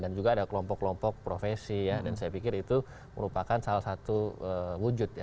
dan juga ada kelompok kelompok profesi ya dan saya pikir itu merupakan salah satu wujud ya